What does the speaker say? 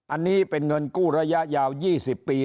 อันนี้เป็นเงินกู้ระยะยาว๒๐ปี